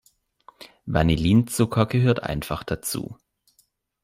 Vanillinzucker gehört einfach dazu.